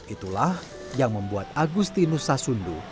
itulah yang membuat agustinus sasundu